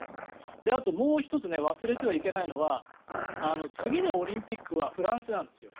あと、もう１つ忘れてはならないのは次のオリンピックはフランスなんですよ。